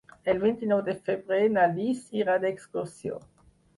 El vint-i-nou de febrer na Lis irà d'excursió.